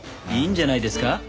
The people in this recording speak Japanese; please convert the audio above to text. いいんじゃないですか？